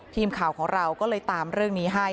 ทีมข่าวของเราก็เลยตามเรื่องนี้ให้